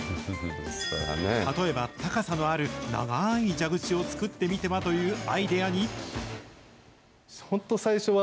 例えば高さのある長い蛇口を作ってみては？というアイデアに。